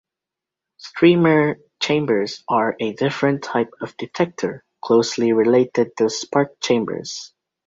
Streamer chambers are a different type of detector, closely related to spark chambers.